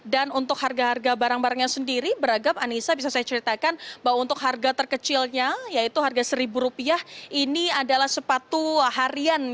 dan untuk harga harga barang barangnya sendiri beragam anissa bisa saya ceritakan bahwa untuk harga terkecilnya yaitu harga seribu rupiah ini adalah sepatu hari ini